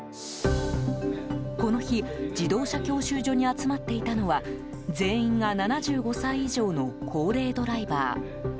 この日、自動車教習所に集まっていたのは全員が７５歳以上の高齢ドライバー。